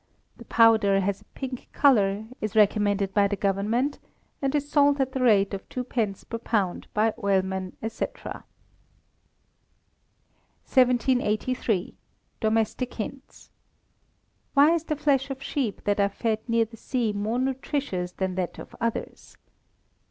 The powder has a pink colour, is recommended by the Government, and is sold at the rate of 2d. per pound by oilmen, &c. 1783. Domestic Hints (Sheep Near Sea). _Why is the flesh of sheep that are fed near the sea more nutritious than that of others?